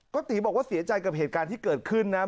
ก็ตีบอกว่าเสียใจกับเหตุการณ์ที่เกิดขึ้นนะ